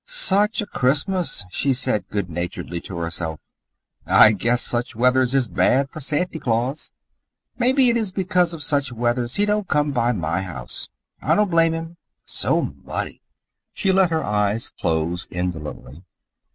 "Such a Christmas!" she said good naturedly to herself. "I guess such weathers is bad for Santy Claus. Mebby it is because of such weathers he don't come by my house. I don't blame him. So muddy!" She let her eyes close indolently.